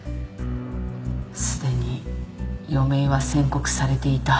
すでに余命は宣告されていたはず。